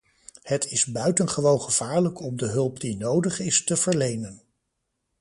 Het is buitengewoon gevaarlijk om de hulp die nodig is te verlenen.